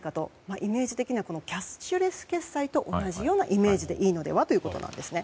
イメージ的にはキャッシュレス決済と同じようなイメージでいいのではということなんですね。